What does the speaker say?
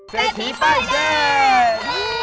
เซทีป้ายแดง